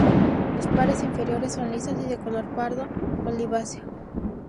Las pares inferiores son lisas y de color pardo oliváceo.